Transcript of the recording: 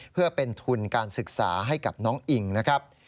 เพื่อเป็นทุนการศึกษาให้กับน้องอิงนะครับ